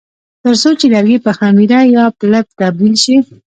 ترڅو چې لرګي پر خمیره یا پلپ تبدیل شي.